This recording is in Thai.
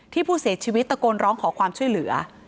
ที่ผู้เสียชีวิตตะโกนร้องขอความช่วยเหลือ